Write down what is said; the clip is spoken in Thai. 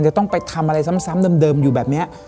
จะต้องไปทำอะไรซ้ำเดิมอยู่แบบนี้